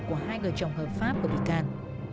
của hai người chồng hợp pháp của bị can